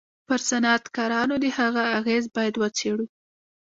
پر صنعتکارانو د هغه اغېز بايد و څېړو.